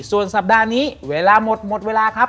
ส่วนสัปดาห์นี้เวลาหมดหมดเวลาครับ